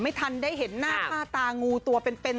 ไม่ทันได้เห็นหน้าค่าตางูตัวเป็น